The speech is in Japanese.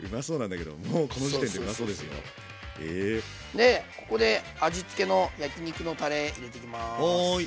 でここで味付けの焼き肉のたれ入れていきます。